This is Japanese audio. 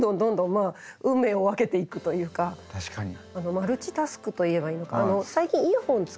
マルチタスクと言えばいいのかな？